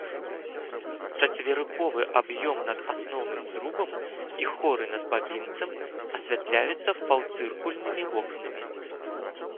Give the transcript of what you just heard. Чацверыковы аб'ём над асноўным зрубам і хоры над бабінцам асвятляюцца паўцыркульнымі вокнамі.